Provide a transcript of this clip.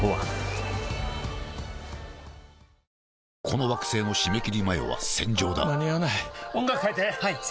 この惑星の締め切り前は戦場だ間に合わない音楽変えて！はいっ！